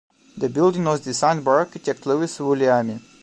The building was designed by architect Lewis Vulliamy.